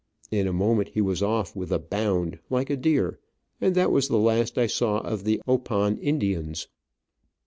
In a moment he was off with a bound like a deer, and that was the last I saw of the Opon Indians.